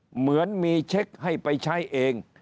เหมือนมีเช็คให้ไปใช้เอง